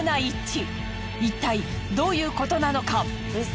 いったいどういうことなのか？